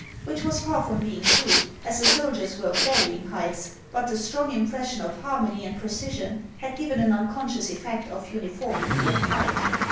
Which was far from being true, as the soldiers were of varjdng heights, but the strong impressions of harmony and precision, had given an imcon scious effect of uniformity of height.